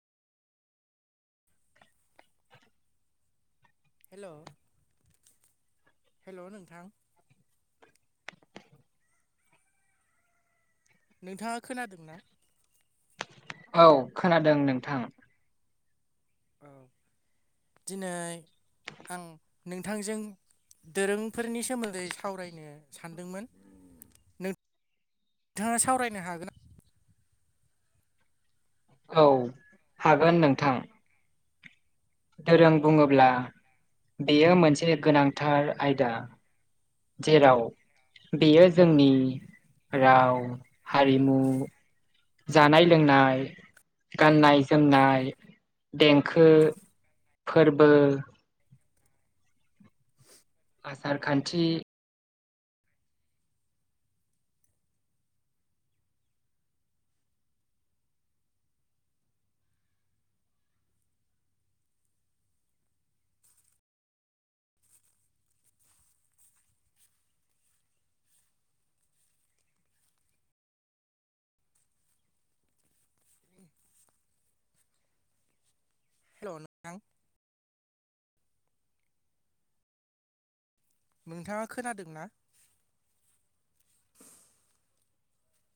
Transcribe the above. हेल' हेल' नोंथां? नोंथाङा खोनादों ना? औ खोनादों नोंथां। औ दिनै आं नोंथांजों दोरोंफोरनि सोमोन्दै सावरायनो सानदोंमोन। नोंथाङा सावरायनो हागोन ना औ हागोन नोंथां। धोरों बुङोब्ला बेयो मोनसे गोनांथार आयदा। जेराव बेयो जोंनि राव हारिमु। जानाय लोंनाय। गाननाय जोमनाय देंखो फोरबो। आसार खान्थि। हेलौ' नोंथां। नोंथाङा खोनादों ना।